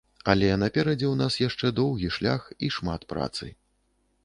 Але наперадзе у нас яшчэ доўгі шлях і шмат працы.